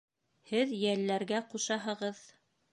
Һеҙ йәлләргә ҡушаһығыҙ.